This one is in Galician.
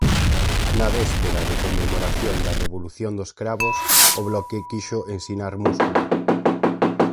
Na véspera de conmemoración da Revolución dos Cravos, o Bloque quixo ensinar músculo.